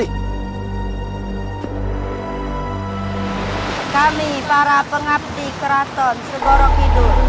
kami para pengabdi keraton segorok hidup